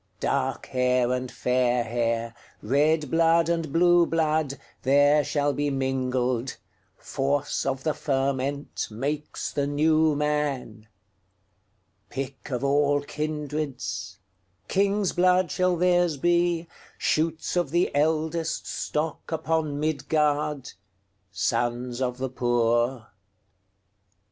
Dark hair and fair hair, Red blood and blue blood, There shall be mingled; Force of the fermentMakes the New Man.Pick of all kindreds, King's blood shall theirs be, Shoots of the eldestStock upon Midgard, Sons of the poor.